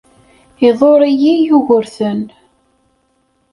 Iḍurr-iyi Yugurten.